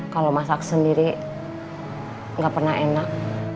kalau masak sendiri nggak pernah enak